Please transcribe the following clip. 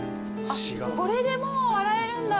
これでもう洗えるんだ。